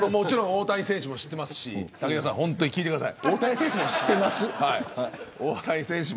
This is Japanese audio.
大谷選手ももちろん知ってますし武田さん聞いてください。